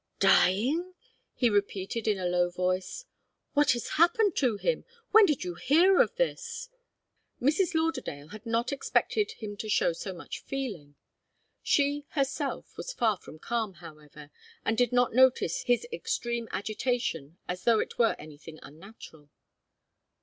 "Dying!" he repeated in a low voice. "What has happened to him? When did you hear of this?" Mrs. Lauderdale had not expected him to show so much feeling. She, herself, was far from calm, however, and did not notice his extreme agitation as though it were anything unnatural.